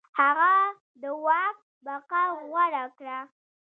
هغه د واک بقا غوره کړه.